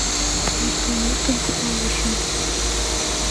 Эркын-эркын тыпланышым.